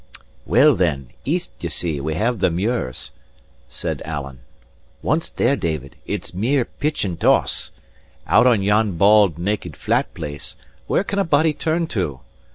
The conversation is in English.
"Well, then, east, ye see, we have the muirs," said Alan. "Once there, David, it's mere pitch and toss. Out on yon bald, naked, flat place, where can a body turn to?